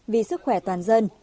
vì sức khỏe toàn dân